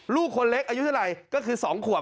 ลูกคนเล็กอายุเท่าไหร่ก็คือ๒ขวบ